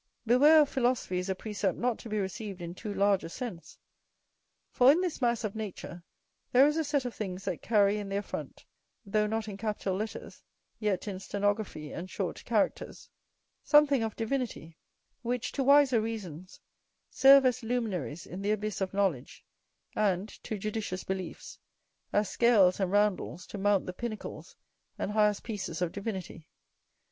"Beware of philosophy," is a precept not to be received in too large a sense: for, in this mass of nature, there is a set of things that carry in their front, though not in capital letters, yet in stenography and short characters, something of divinity; which, to wiser reasons, serve as luminaries in the abyss of knowledge, and, to judicious beliefs, as scales and roundles to mount the pinnacles and highest pieces of divinity.